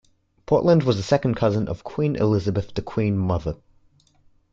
Portland was a second cousin of Queen Elizabeth The Queen Mother.